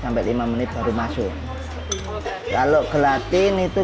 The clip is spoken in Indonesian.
kalau dari proses masaknya